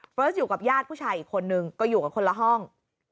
อยู่กับญาติผู้ชายอีกคนนึงก็อยู่กันคนละห้อง